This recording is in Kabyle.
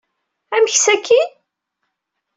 Amek sakkin?